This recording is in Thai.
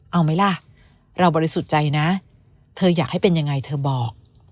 เอาไหมล่ะเราบริสุทธิ์ใจนะเธออยากให้เป็นยังไงเธอบอก